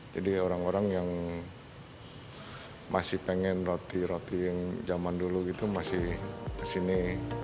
jadi orang orang yang masih pengen roti roti yang zaman dulu gitu masih kesini